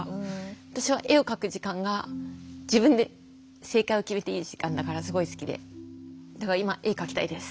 私は絵を描く時間が自分で正解を決めていい時間だからすごい好きでだから今絵描きたいです。